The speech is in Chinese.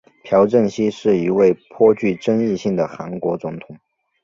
朴正熙是一位颇具争议性的韩国总统。